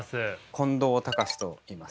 近藤隆史といいます。